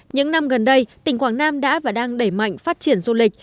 những năm gần đây tỉnh quảng nam đã và đang đẩy mạnh phát triển du lịch